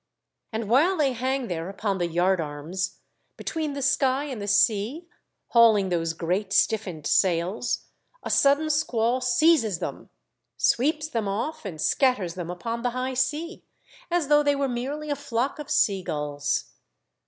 And while they hang there upon the yard arms, between the sky and the sea, hauling those great stiffened sails, a sudden squall seizes them, sweeps them off, and scatters them upon the high sea, as though they were merely a flock of sea gulls.